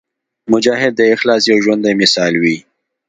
مجاهد د اخلاص یو ژوندی مثال وي.